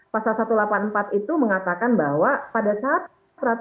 pasal satu ratus delapan puluh empat itu mengatakan bahwa pada saat peraturan perpu ini mulai berlaku